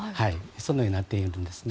そのようになっているんですね。